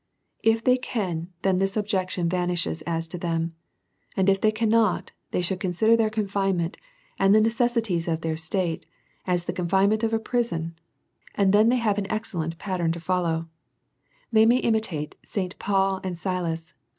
If tliey can, then this ob jection vanishes as to them : and if they cannot, they should consider their confinement, and the necessities of their state, as the confinement of a prison ; and then they have an excellent pattern to follow, they may imitate St. Paul and Silas, who